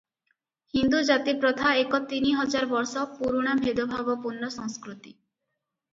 ହିନ୍ଦୁ ଜାତିପ୍ରଥା ଏକ ତିନି ହଜାର ବର୍ଷ ପୁରୁଣା ଭେଦଭାବପୂର୍ଣ୍ଣ ସଂସ୍କୃତି ।